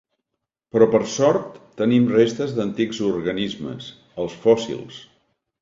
Però, per sort, tenim restes d’antics organismes: els fòssils.